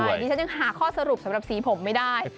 ใช่ดิฉันยังหาข้อสรุปสำหรับสีผมไม่ได้